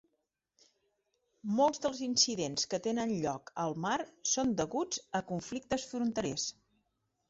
Molts dels incidents que tenen lloc al mar són deguts a conflictes fronterers.